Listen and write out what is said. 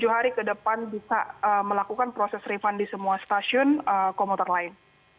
tujuh hari ke depan bisa melakukan proses refund di semua stasiun komuter lain